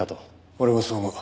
俺もそう思う。